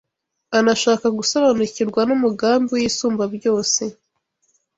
anashaka gusobanukirwa n’umugambi w’Isumbabyose